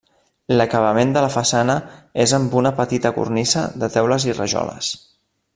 L'acabament de la façana és amb una petita cornisa de teules i rajoles.